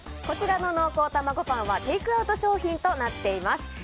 こちらの濃厚たまごパンはテイクアウト商品となっています。